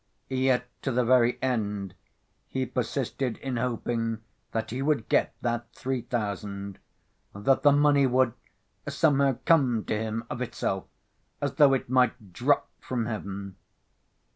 —yet to the very end he persisted in hoping that he would get that three thousand, that the money would somehow come to him of itself, as though it might drop from heaven.